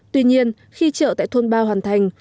tuy nhiên khi chợ tại thôn ba hoàn thành